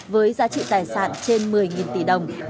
với giá trị tài sản trên một mươi tỷ đồng